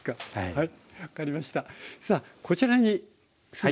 はい。